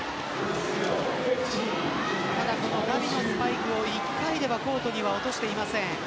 ガビのスパイクを１回ではコートに落としてません。